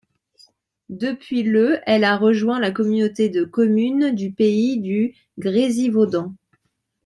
Depuis le elle a rejoint la Communauté de communes du Pays du Grésivaudan.